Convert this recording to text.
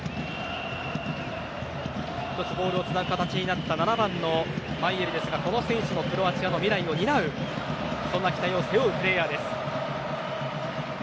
ボールをつなぐ形になった７番のマイェルですがこの選手もクロアチアの未来を担うそんな期待を背負うプレーヤーです。